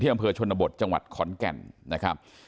อำเภอชนบทจังหวัดขอนแก่นนะครับ